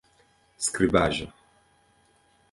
skribaĵo